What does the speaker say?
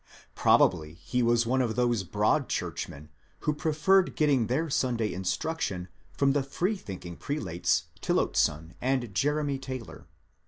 Probably he was one of those Broad* churchmen who preferred getting their Sunday instruction from the freethinking prelates Tillotson and Jeremy Taylor.